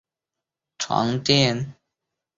顶端是鎏金的胜利女神和两个侍从像。